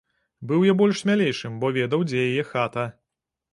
Быў я больш смялейшым, бо ведаў, дзе яе хата.